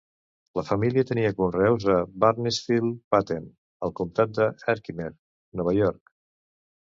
La família tenia conreus a Burnetsfield Patent, al comtat de Herkimer, Nova York.